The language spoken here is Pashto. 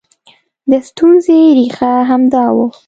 د ستونزې ریښه همدا وه